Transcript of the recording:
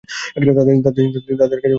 তাদের কাছেও তীর ছিল।